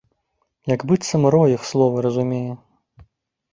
Як быццам рой іх словы разумее.